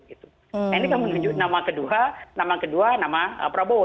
ini kan menunjukkan nama kedua nama prabowo